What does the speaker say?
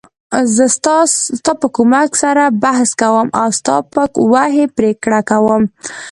زه ستا په کومک سره بحث کوم او ستا په وحی پریکړه کوم .